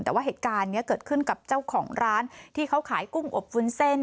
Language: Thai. แต่ว่าเหตุการณ์นี้เกิดขึ้นกับเจ้าของร้านที่เขาขายกุ้งอบวุ้นเส้น